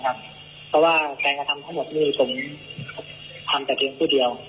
เพราะว่าการกระทำทั้งหมดนี้ผมทำแต่เพียงผู้เดียว